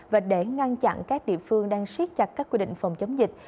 và để ngăn chặn các địa phương đang siết chặt các quy định phòng chống dịch